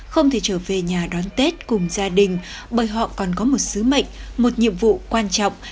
không thể trở về nhà đón tết cùng gia đình bởi họ còn có một sứ mệnh một nhiệm vụ quan trọng